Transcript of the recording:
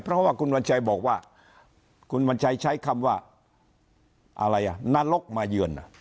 เพราะว่าคุณวัญชัยบอกว่าคุณวัญชัยใช้คำว่าอะไรอ่ะนรกมาเยือน